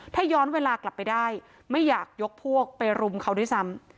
ถ้าย้อนเวลากลับไปได้ไม่อยากยกพวกไปรุมเขาด้วยซ้ำ